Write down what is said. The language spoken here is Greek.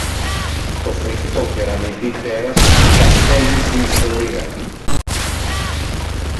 το φριχτό κεραμιδί τέρας που τα στέλνει στην ιστορία